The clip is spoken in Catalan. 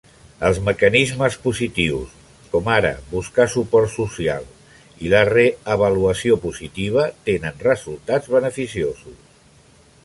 Els mecanismes positius, com ara buscar suport social i la re-avaluació positiva tenen resultats beneficiosos.